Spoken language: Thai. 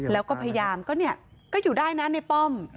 แล้วก็พยายามก็อยู่ด้านั้นในป้อม